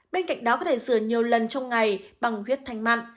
bên cạnh đó có thể rửa nhiều lần trong ngày bằng huyết thanh mặn